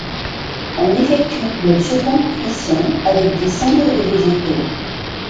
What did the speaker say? On effectue une seconde cuisson avec des cendres de végétaux.